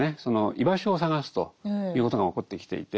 居場所を探すということが起こってきていて。